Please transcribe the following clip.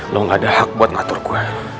lo gak ada hak buat ngatur gue